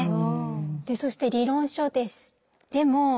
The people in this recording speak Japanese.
そして理論書です。